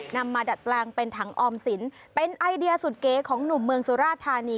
มาดัดแปลงเป็นถังออมสินเป็นไอเดียสุดเก๋ของหนุ่มเมืองสุราธานี